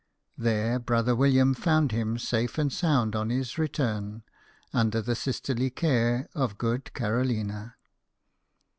There brother William found him safe and sound on his return, under the sisterly care of good Caro lina.